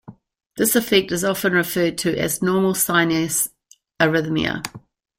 This effect is often referred to as normal sinus arrhythmia.